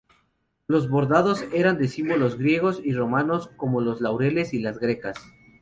Los bordados eran de símbolos griegos y romanos, como los laureles y las grecas.